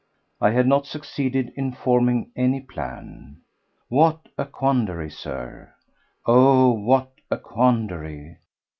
I had not succeeded in forming any plan. What a quandary, Sir! Oh! what a quandary!